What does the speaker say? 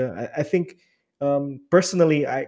saya pikir secara pribadi